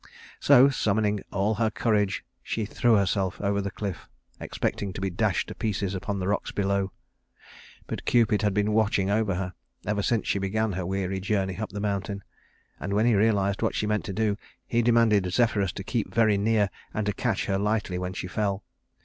So, summoning all her courage, she threw herself over the cliff, expecting to be dashed to pieces upon the rocks below. But Cupid had been watching over her, ever since she began her weary journey up the mountain; and when he realized what she meant to do, he commanded Zephyrus to keep very near and to catch her lightly when she fell.